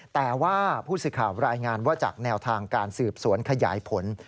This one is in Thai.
แต่ว่าผู้สื่อข่าวรายงานว่าจากแนวทางการสืบสวนขยายผล